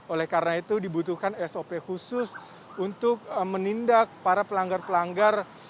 oleh karena itu dibutuhkan sop khusus untuk menindak para pelanggar pelanggar